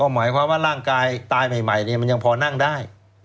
หมายความว่าร่างกายตายใหม่มันยังพอนั่งได้